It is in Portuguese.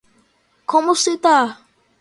Como citar?